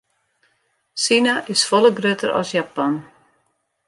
Sina is folle grutter as Japan.